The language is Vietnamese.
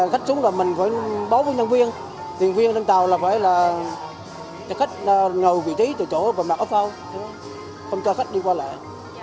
khách xuống là mình phải báo với nhân viên nhân viên nhân tàu là phải là cho khách ngầu vị trí từ chỗ mà mặc áo phao không cho khách đi qua lại